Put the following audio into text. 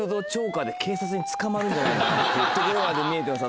んじゃないかっていうところまで見えてます